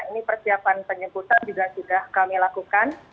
ini persiapan penyebutan juga sudah kami lakukan